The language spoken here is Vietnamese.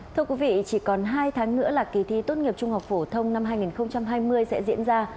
thưa quý vị chỉ còn hai tháng nữa là kỳ thi tốt nghiệp trung học phổ thông năm hai nghìn hai mươi sẽ diễn ra